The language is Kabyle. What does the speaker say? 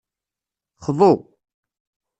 Xḍu.